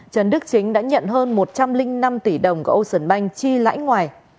trần đức chính đã nhận hơn một trăm linh năm tỷ đồng của ocean bank chi lãi ngoài